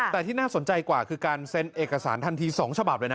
แต่ที่น่าสนใจกว่าคือการเซ็นเอกสารทันที๒ฉบับเลยนะ